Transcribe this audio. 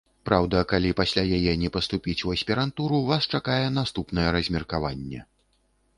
Праўда, калі пасля яе не паступіць у аспірантуру, вас чакае наступнае размеркаванне.